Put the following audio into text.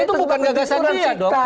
itu bukan gagasan dia dong